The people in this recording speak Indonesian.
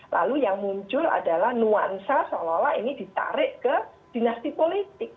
lalu yang muncul adalah nuansa seolah olah ini ditarik ke dinasti politik